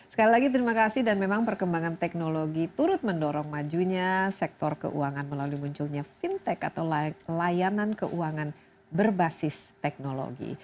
sekali lagi terima kasih dan memang perkembangan teknologi turut mendorong majunya sektor keuangan melalui munculnya fintech atau layanan keuangan berbasis teknologi